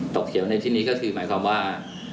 เขียวในที่นี้ก็คือหมายความว่า